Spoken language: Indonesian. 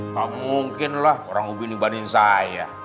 tak mungkin lah orang umi ini bandingin saya